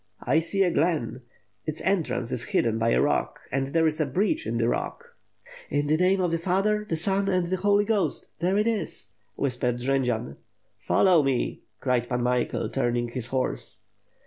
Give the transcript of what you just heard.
"I see the glen. Its entrance is hidden by a rock and there is a breach in the rock.' "In the name of the Father, the Son, and the Holy Ghost! There it is," whispered Jendzian. "Follow me!" cried Pan Michael, turning his horse.